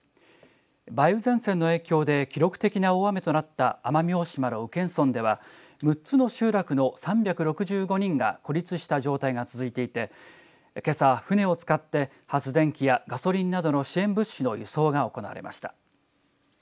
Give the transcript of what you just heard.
梅雨前線の影響で記録的な大雨となった奄美大島の宇検村では６つの集落の３６５人が孤立した状態が続いていてけさ、船を使って発電機やガソリンなどの支援物資の輸送が行われました。